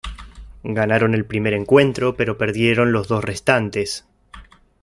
Ganaron el primer encuentro pero perdieron los dos restantes.